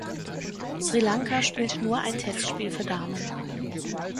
Sri Lanka spielte nur ein Testspiel für Damen.